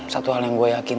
satu hal yang gue yakin